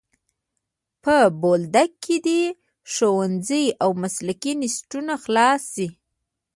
په بولدک کي دي ښوونځی او مسلکي انسټیټونه خلاص سي.